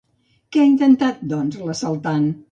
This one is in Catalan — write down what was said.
Què ha intentat, doncs, l'assaltant?